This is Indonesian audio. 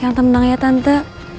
yang temenang ya tante